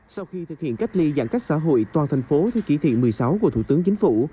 sau khi thực hiện cách ly giãn cách xã hội toàn thành phố theo chỉ thị một mươi sáu của thủ tướng chính phủ